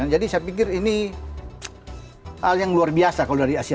jadi saya pikir ini hal yang luar biasa kalau dari asia